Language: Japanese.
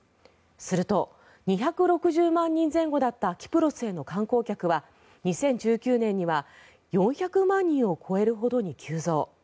すると、２６０万人前後だったキプロスへの観光客は２０１９年には４００万人を超えるほどに急増。